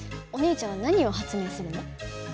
お兄ちゃんは何を発明するの？